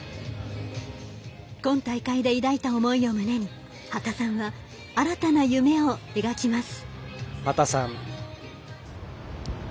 今大会で抱いた思いを胸に波田さんは新たな夢を描きます。